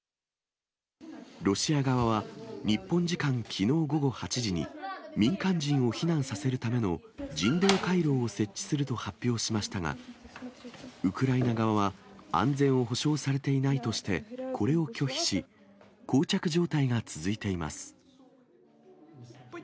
ロシア側は、日本時間きのう午後８時に、民間人を避難させるための人道回廊を設置すると発表しましたが、ウクライナ側は安全を保証されていないとして、これを拒否し、こう着状態が続いています。